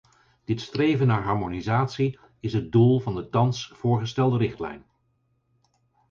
Dit streven naar harmonisatie is het doel van de thans voorgestelde richtlijn.